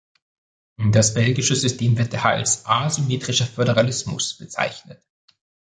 Das belgische System wird daher als "asymmetrischer Föderalismus" bezeichnet.